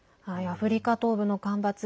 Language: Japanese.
アフリカ東部の干ばつ。